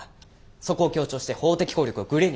そこを強調して法的効力をグレーに。